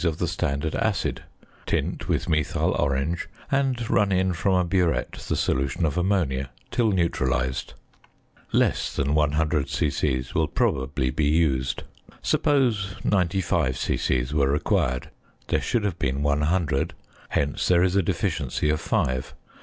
of the standard "acid," tint with methyl orange, and run in from a burette the solution of ammonia till neutralised. Less than 100 c.c. will probably be used. Suppose 95 c.c. were required, there should have been 100, hence there is a deficiency of five.